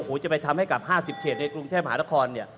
โอ้โหจะไปทำให้กับ๕๐เขตในกรุงเทพมหานครเนี่ย